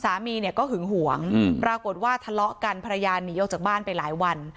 สามีเนี่ยก็หึงหวงปรากฏว่าทะเลาะกันภรรยาหนีออกจากบ้านไปหลายวัน